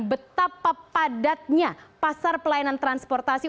betapa padatnya pasar pelayanan transportasi